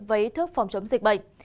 với thước phòng chống dịch bệnh